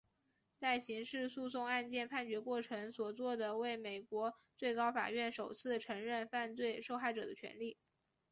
在刑事诉讼案件判决过程所做的为美国最高法院首次承认犯罪受害者的权利。